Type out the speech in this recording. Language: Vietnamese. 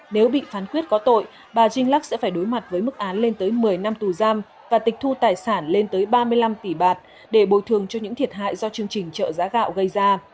nếu bị phán quyết có tội bà riêng lắc sẽ phải đối mặt với mức án lên tới một mươi năm tù giam và tịch thu tài sản lên tới ba mươi năm tỷ bạt để bồi thường cho những thiệt hại do chương trình trợ giá gạo gây ra